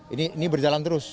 ini berjalan terus